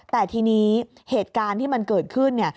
แต่ทีนี้เหตุการณ์ที่มันเกิดขึ้นเนี่ย